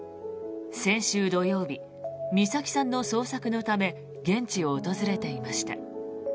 先週土曜日美咲さんの捜索のため現地を訪れていました。